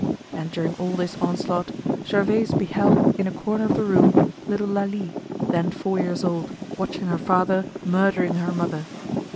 And during all this onslaught, Gervaise beheld in a corner of the room little Lalie, then four years old, watching her father murdering her mother.